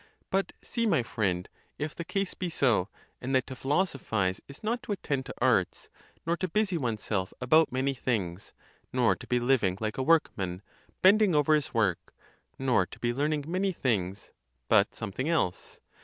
46 But see, my friend, if the case be so, and that to philosophize is not to attend to arts, nor to busy oneself about many things, nor to be living like a workman, bending over his work,*' nor to be learning many things, but something else?